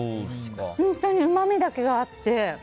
本当にうまみだけがあって。